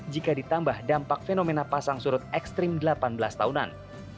jika ditambah dampak fenomena pasang surut ekstrim delapan belas tahunan